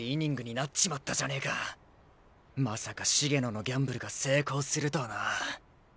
まさか茂野のギャンブルが成功するとはな。